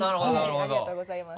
ありがとうございます。